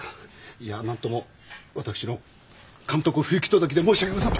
いや何とも私の監督不行き届きで申し訳ございません。